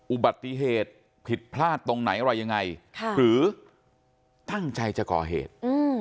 อุบัติเหตุผิดพลาดตรงไหนอะไรยังไงหรือตั้งใจจะก่อเหตุ